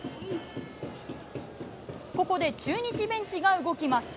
ここで中日ベンチが動きます。